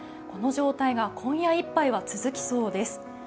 この状態が今夜いっぱいは続きそうです。